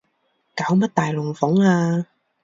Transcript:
搞乜大龍鳳啊